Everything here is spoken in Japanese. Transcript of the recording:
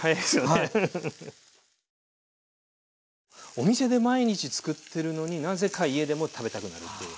お店で毎日つくってるのになぜか家でも食べたくなるっていう。